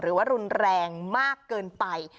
หรือว่ารุนแรงมากเกินไป